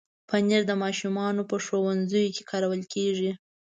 پنېر د ماشومانو په ښوونځیو کې ورکول کېږي.